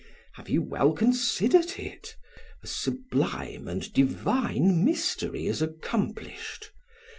"Have you well considered it? A sublime and divine mystery is accomplished.